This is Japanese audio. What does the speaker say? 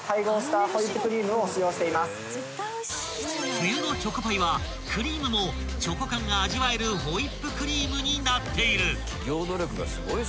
［冬のチョコパイはクリームもチョコ感が味わえるホイップクリームになっている］